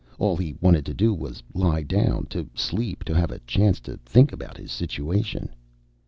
All he wanted to do was lie down, to sleep, to have a chance to think about his situation.